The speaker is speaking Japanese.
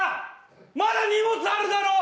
まだ荷物あるだろ！